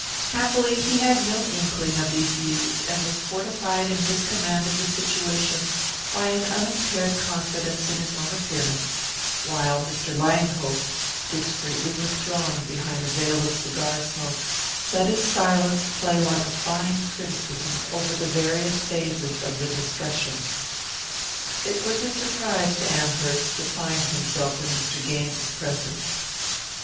Happily he had no inkling of these views, and was fortified in his command of the situation by an unimpaired confidence in his own appearance; while Mr. Langhope, discreetly withdrawn behind a veil of cigar smoke, let his silence play like a fine criticism over the various phases of the discussion. It was a surprise to Amherst to find himself in Mr. Gaines's presence.